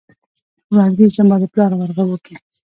ورځې زما د پلار ورغوو کې ،